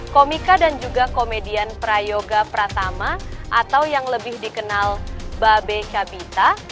komika dan juga komedian prayoga pratama atau yang lebih dikenal babe cabita